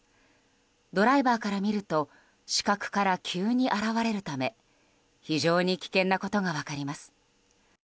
ドライバーから見ると死角から急に現れるため非常に危険なことが分かります。